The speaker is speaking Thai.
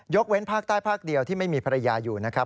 เว้นภาคใต้ภาคเดียวที่ไม่มีภรรยาอยู่นะครับ